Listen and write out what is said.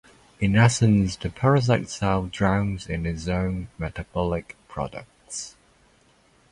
In essence, the parasite cell drowns in its own metabolic products.